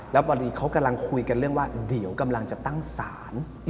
แล้วพอดีเขากำลังคุยกันเรื่องว่าเดี๋ยวกำลังจะตั้งศาล